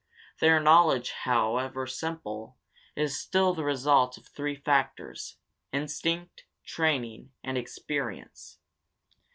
Their knowledge, however simple, is still the result of three factors: instinct, training, and experience.